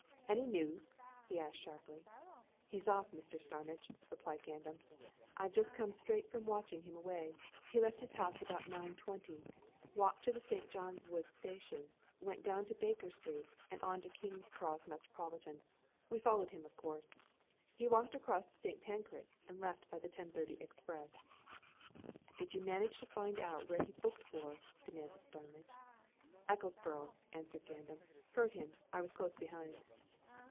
"Any news?" he asked sharply. "He's off, Mr. Starmidge!" replied Gandam. "I've just come straight from watching him away. He left his house about nine twenty, walked to the St. John's Wood Station, went down to Baker Street, and on to King's Cross Metropolitan. We followed him, of course. He walked across to St. Pancras, and left by the ten thirty express." "Did you manage to find out where he booked for!" demanded Starmidge. "Ecclesborough," answered Gandam. "Heard him! I was close behind."